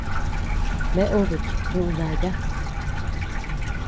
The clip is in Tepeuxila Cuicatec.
Bea obe chikudaya.